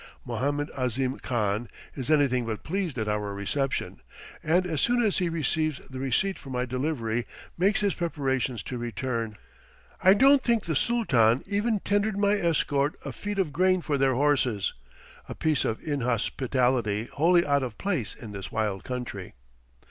Mohammed Ahzim Khan is anything but pleased at our reception, and as soon as he receives the receipt for my delivery makes his preparations to return. I don't think the Sooltan even tendered my escort a feed of grain for their horses, a piece of inhospitality wholly out of place in this wild country.